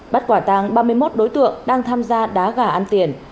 bắt quả tàng ba mươi một đối tượng đang tham gia đá gà ăn tiền